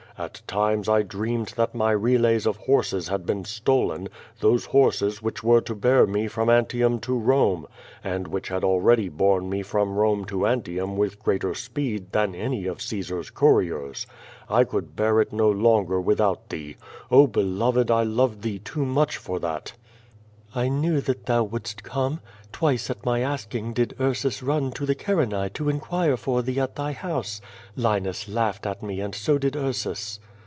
At times, I dreamed that my relays of horses had been stolen, those horses which were to bear me from Antium to Rome, and which had already borne me from Uomc to Antium with greater speed than any of Oaesar's couriers. I could bear it no longer without thee. 0, beloved, 1 love thee too much for thatr 2S6 <?t'0 VADIH, "I knew that thou wouldst come. Twice, at ni}' asking did Ursus run to the Cannae to inquire for thee at thy house. Linus lauglicd at me and so did Ursus."